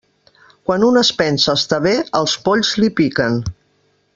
Quan un es pensa estar bé, els polls li piquen.